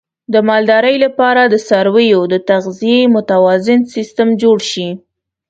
د مالدارۍ لپاره د څارویو د تغذیې متوازن سیستم جوړ شي.